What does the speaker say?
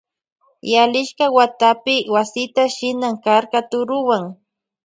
Yalishka watakunapi wasita shinan karka turuwan.